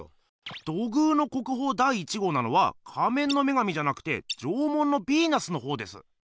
土偶の国宝第１号なのは「仮面の女神」じゃなくて「縄文のビーナス」のほうです。